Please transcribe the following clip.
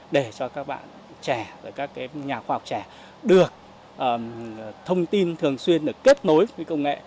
để cho các bạn trẻ các nhà khoa học trẻ được thông tin thường xuyên được kết nối với công nghệ